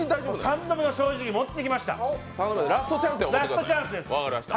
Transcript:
三度目の正直、本当に持ってきました、ラストチャンスです。